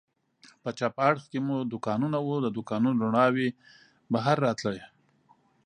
په چپ اړخ کې مو دوکانونه و، د دوکانونو رڼاوې بهر راتلې.